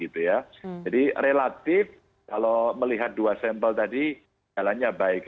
jadi relatif kalau melihat dua sampel tadi jalannya baik